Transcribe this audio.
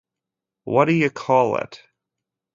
What d’you call it?